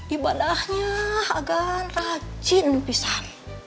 ibadahnya agan rajin pisang